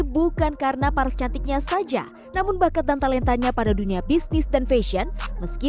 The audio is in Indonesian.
bukan karena paras cantiknya saja namun bakat dan talentanya pada dunia bisnis dan fashion meski